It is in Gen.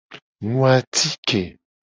Nu atike.